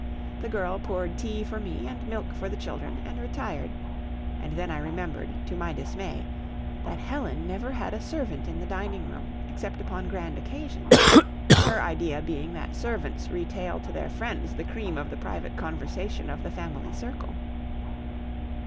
The girl poured tea for me and milk for the children, and retired; and then I remembered, to my dismay, that Helen never had a servant in the dining room except upon grand occasions, her idea being that servants retail to their friends the cream of the private conversation of the family circle.